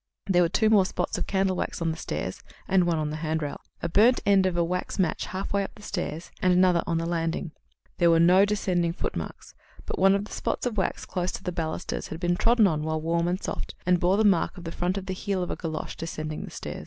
There were two more spots of candle wax on the stairs, and one on the handrail; a burnt end of a wax match halfway up the stairs, and another on the landing. There were no descending footmarks, but one of the spots of wax close to the balusters had been trodden on while warm and soft, and bore the mark of the front of the heel of a golosh descending the stairs.